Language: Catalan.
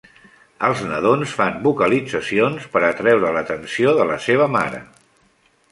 Els nadons fan vocalitzacions per atreure l'atenció de la seva mare.